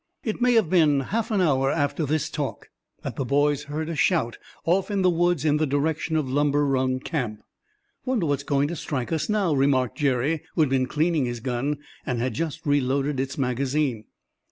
It may have been half an hour after this talk that the boys heard a shout off in the woods in the direction of Lumber Run Camp. "Wonder what's going to strike us now?" remarked Jerry, who had been cleaning his gun and had just reloaded its magazine.